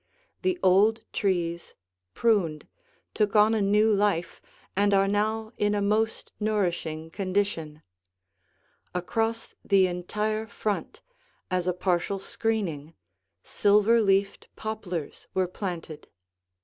The old trees, pruned, took on a new life and are now in a most nourishing condition; across the entire front, as a partial screening, silver leafed poplars were planted.